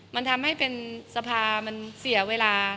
มันทำให้เป็นสภามันเสียเวลา